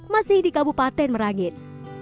masih di kabupaten merangit